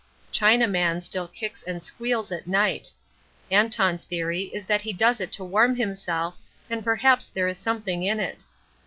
Chinaman still kicks and squeals at night. Anton's theory is that he does it to warm himself, and perhaps there is something in it.